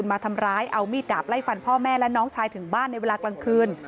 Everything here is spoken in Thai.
มาทำร้ายเอามีดดาบไล่ฟันพ่อแม่และน้องชายถึงบ้านในเวลากลางคืน